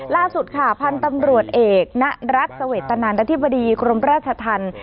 ล่าสุดค่ะพันธุ์ตำรวจเอกณรัฐเสวตนันอธิบดีกรมราชธรรม